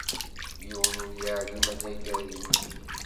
Yiwen ur yeεlim anagar nekk.